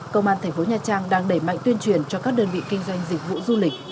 công an thành phố nha trang đang đẩy mạnh tuyên truyền cho các đơn vị kinh doanh dịch vụ du lịch